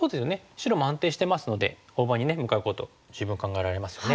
白も安定してますので大場に向かうこと十分考えられますよね。